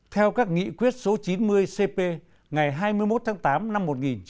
theo các nghị quyết số chín mươi cp ngày hai mươi một tháng tám năm một nghìn chín trăm bảy mươi